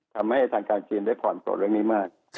ทำให้ด้านฝั่งจีนได้ผ่อนโกรธเรื่องนี้มาก